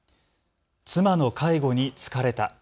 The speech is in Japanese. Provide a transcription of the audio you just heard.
妻の介護に疲れた。